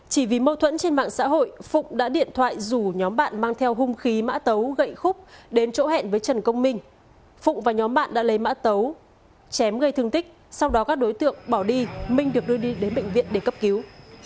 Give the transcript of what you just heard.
chỉ vì mâu thuẫn trên mạng xã hội phụng đã điện thoại rủ nhóm bạn mang theo hung khí mã tấu gậy khúc đến chỗ hẹn với trần công minh phụng và nhóm bạn đã lấy mã tấu chém gây thương tích sau đó các đối tượng bỏ đi minh được đưa đi đến bệnh viện để cấp cứu